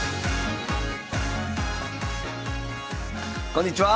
こんにちは！